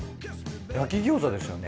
焼き餃子ですよね？